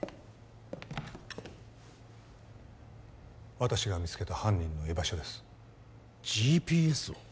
私が見つけた犯人の居場所ですＧＰＳを？